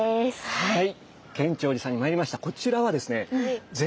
はい！